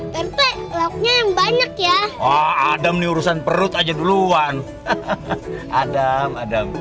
tempe blognya yang banyak ya adam diurusan perut aja duluan adam adam